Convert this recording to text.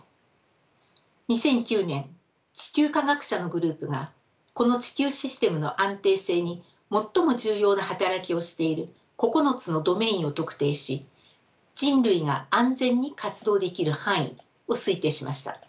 ２００９年地球科学者のグループがこの地球システムの安定性に最も重要な働きをしている９つのドメインを特定し人類が安全に活動できる範囲を推定しました。